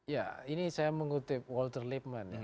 ya ini saya mengutip walter liebman